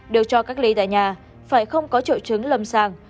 đều cho cách ly tại nhà phải không có trụ trứng lâm sàng